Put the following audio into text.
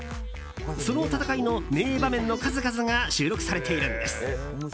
その闘いの名場面の数々が収録されているんです。